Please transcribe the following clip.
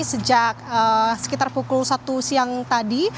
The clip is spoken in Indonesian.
sejak sekitar pukul satu siang tadi